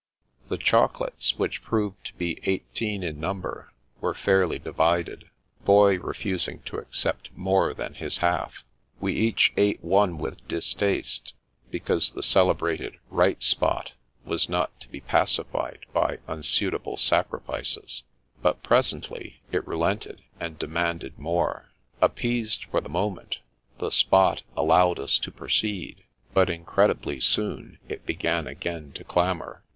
The chocolates, which proved to be eighteen in number, were fairly divided. Boy refusing to accept more than his half. We each ate one with distaste, because the celebrated " Right Spot " was not to be pacified by unsuitable sacrifices ; but presently it re lented and demanded more. Appeased for the mo ment, the Spot allowed us to proceed, but incredibly soon it began again to clamour.